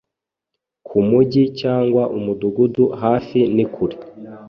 Kumujyi cyangwa Umudugudu hafi ni kure